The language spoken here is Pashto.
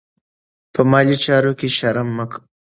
په مالي چارو کې شرم مه کوئ.